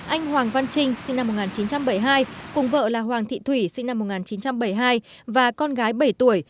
anh hoàng văn trinh sinh năm một nghìn chín trăm bảy mươi hai cùng vợ là hoàng thị thủy sinh năm một nghìn chín trăm bảy mươi hai và con gái bảy tuổi